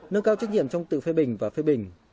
nâng cao trách nhiệm trong tự phê bình và phê bình